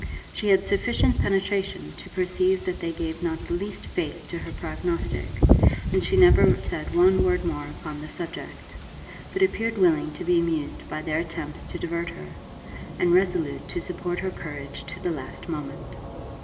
She had sufficient penetration to perceive that they gave not the least faith to her prognostic, and she never said one word more upon the subject; but appeared willing to be amused by their attempts to divert her, and resolute to support her courage to the last moment.